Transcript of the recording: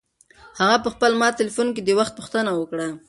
هغه په خپل مات تلیفون کې د وخت پوښتنه وکړه.